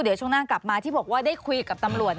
เดี๋ยวช่วงหน้ากลับมาที่บอกว่าได้คุยกับตำรวจ